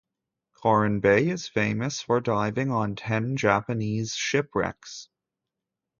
Coron Bay is famous for diving on ten Japanese shipwrecks.